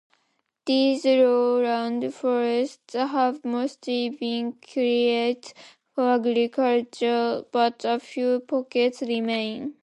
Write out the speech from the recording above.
These lowland forests have mostly been cleared for agriculture, but a few pockets remain.